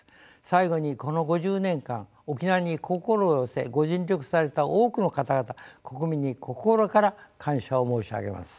最後にこの５０年間沖縄に心を寄せご尽力された多くの方々国民に心から感謝を申し上げます。